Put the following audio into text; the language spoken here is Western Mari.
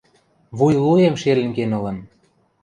Вуйлуэм шелӹн кен ылын.